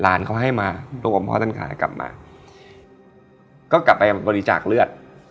ลานเขาให้มาลูกอมพ่อท่านคล้ายกลับมาก็กลับไปมาบริจาคเลือด